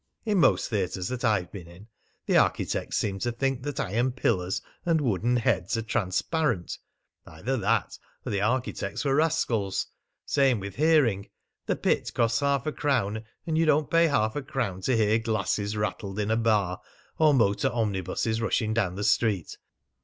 In most theatres that I've been in, the architects seemed to think that iron pillars and wooden heads are transparent. Either that, or the architects were rascals. Same with hearing. The pit costs half a crown, and you don't pay half a crown to hear glasses rattled in a bar, or motor omnibuses rushing down the street.